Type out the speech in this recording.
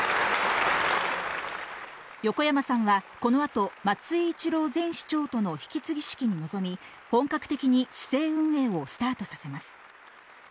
横山さんはこの後、松井一郎前市長との引き継ぎ式に臨み、本格的に市政運営をスタートさせます。